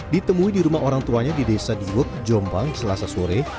ditemui di rumah orang tuanya di desa diwek jombang selasa sore